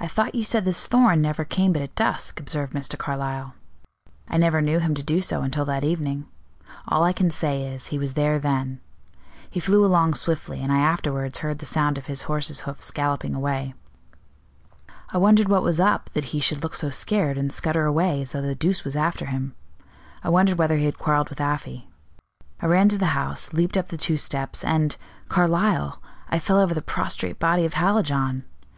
"I thought you said this Thorn never came but at dusk," observed Mr. Carlyle. "I never knew him to do so until that evening. All I can say is, he was there then. He flew along swiftly, and I afterwards heard the sound of his horse's hoofs galloping away. I wondered what was up that he should look so scared, and scutter away as though the deuce was after him; I wondered whether he had quarreled with Afy. I ran to the house, leaped up the two steps, and Carlyle I fell over the prostrate body of Hallijohn!